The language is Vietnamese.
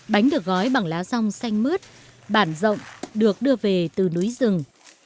bánh được gói bằng lá rong xanh mướt bản rộng được đưa về từ núi rừng